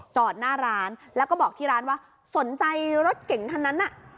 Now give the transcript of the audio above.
จอดหน้าร้านแล้วก็บอกที่ร้านว่าสนใจรถเก่งคันนั้นน่ะ